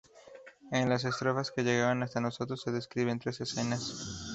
En las estrofas que llegaron hasta nosotros se describen tres escenas.